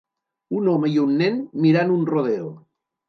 Un home i un nen mirant un rodeo.